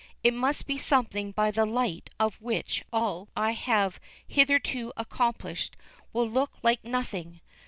It must be something by the light of which all I have hitherto accomplished will look like nothing.